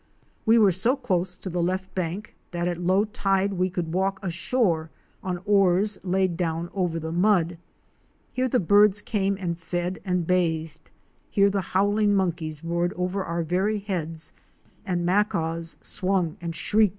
We were so close to the left bank that at low tide we could walk ashore on oars laid down over the mud. Here the birds came and fed and bathed, here the howling monkeys roared over our very heads and Macaws swung and shrieked at us.